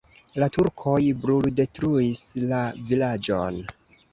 La turkoj bruldetruis la vilaĝon.